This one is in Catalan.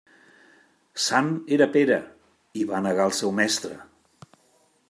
Sant era Pere i va negar el seu mestre.